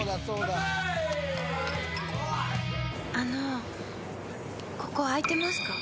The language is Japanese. あのここ空いてますか？